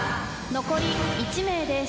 残り１名です。